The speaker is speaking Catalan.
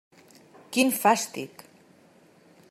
Quin fàstic!